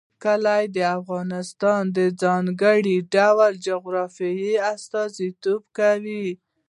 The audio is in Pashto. کلي د افغانستان د ځانګړي ډول جغرافیه استازیتوب کوي.